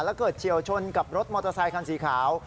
แล้วเกิดเฉียวชนกับรถมอเตอร์ไซคันสีขาว